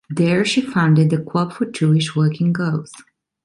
There she founded the Club for Jewish Working Girls.